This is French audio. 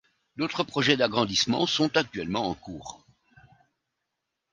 D'autres projets d'agrandissement sont actuellement en cours.